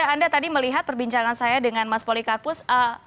anda tadi melihat perbincangan saya dengan mas polikarpus